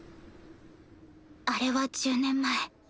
あれは１０年前。